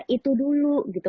itu dulu gitu